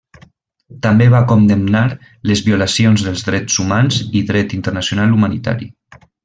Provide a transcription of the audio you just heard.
També va condemnar les violacions dels drets humans i dret internacional humanitari.